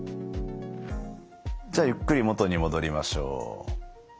じゃあゆっくり元に戻りましょう。